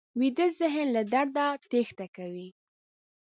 ویده ذهن له درد نه تېښته کوي